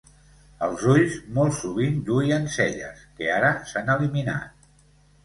Els ulls molt sovint duien celles, que ara s'han eliminat.